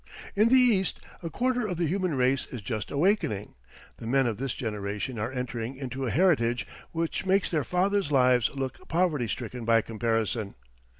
In the East a quarter of the human race is just awakening. The men of this generation are entering into a heritage which makes their fathers' lives look poverty stricken by comparison.